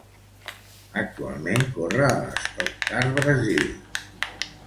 Actualment corre a l'Stock Car Brasil.